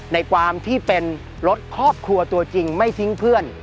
ในความที่เป็นรถครอบครัวตัวจริงไม่ทิ้งเพื่อน